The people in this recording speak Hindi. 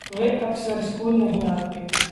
वे अक्सर स्कूल नहीं आते।